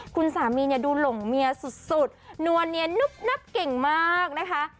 คุณสามีเนี่ยดูหลงเมียสุดนัวเนียนนุบนับเก่งมากนะคะ